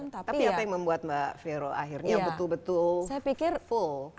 tapi apa yang membuat mbak vero akhirnya betul betul full komitmen